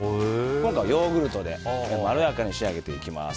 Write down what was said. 今回はヨーグルトでまろやかに仕上げていきます。